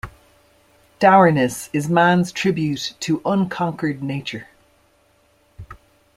Dourness is man’s tribute to unconquered nature.